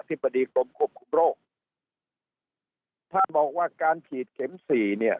ธิบดีกรมควบคุมโรคถ้าบอกว่าการฉีดเข็มสี่เนี่ย